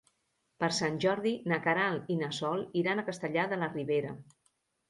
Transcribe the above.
Per Sant Jordi na Queralt i na Sol iran a Castellar de la Ribera.